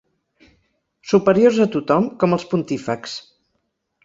Superiors a tothom, com els Pontífexs.